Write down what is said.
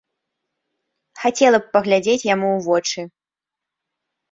Хацела б паглядзець яму ў вочы.